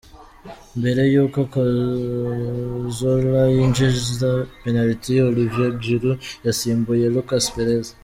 Mbere yuko Cazorla yinjiza penaliti, Olivier Giroud yasimbuye Lucas Perez.